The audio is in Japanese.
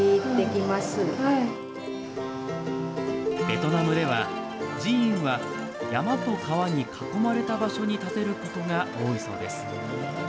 ベトナムでは寺院は山と川に囲まれた場所に建てることが多いそうです。